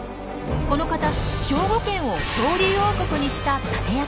この方兵庫県を恐竜王国にした立役者。